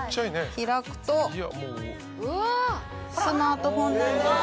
開くとスマートフォンなんです。